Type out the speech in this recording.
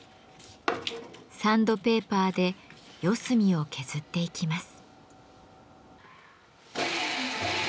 サンドペーパーで四隅を削っていきます。